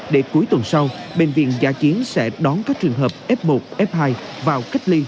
để cuối tuần sau bệnh viện gia chiến sẽ đón các trường hợp f một f hai vào cách ly